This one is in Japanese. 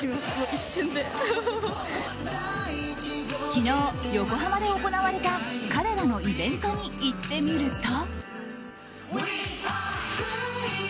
昨日、横浜で行われた彼らのイベントに行ってみると。